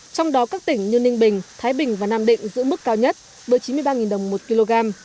trong đó các tỉnh như ninh bình thái bình và nam định giữ mức cao nhất với chín mươi ba đồng một kg